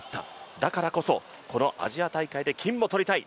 だからこそこのアジア大会で金をとりたい。